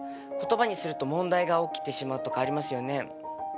言葉にすると問題が起きてしまうとかありますよね。